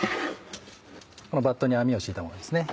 このバットに網を敷いたものですね